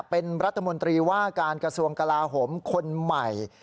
เป็นรัฐมนตรีว่าการกระทรวงกลาโหมคนใหม่